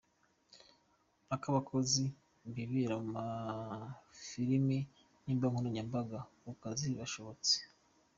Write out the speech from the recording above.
Ak’abakozi bibera mu mafilimi nimbuga nkoranya mbaga ku kazi kashobotse